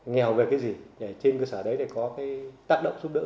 nghèo về cái gì trên cơ sở đấy có cái tác động giúp đỡ